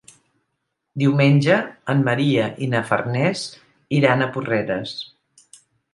Diumenge en Maria i na Farners iran a Porreres.